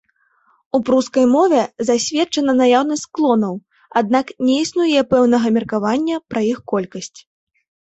У прускай мове засведчана наяўнасць склонаў, аднак не існуе пэўнага меркавання пра іх колькасць.